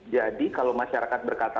jadi kalau masyarakat berkata